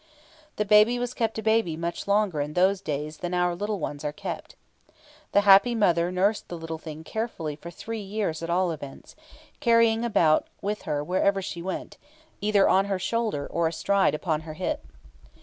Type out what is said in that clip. The baby was kept a baby much longer in those days than our little ones are kept. The happy mother nursed the little thing carefully for three years at all events, carrying it about with her wherever she went, either on her shoulder, or astride upon her hip.